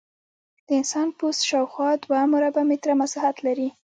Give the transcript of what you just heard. د انسان پوست شاوخوا دوه مربع متره مساحت لري.